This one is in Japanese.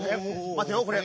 まてよこれ。